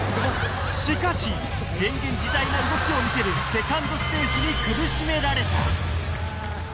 しかし変幻自在な動きを見せるセカンドステージに苦しめられた